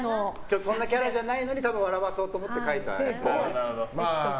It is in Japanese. そんなキャラじゃないのに笑わせようと思って書いた。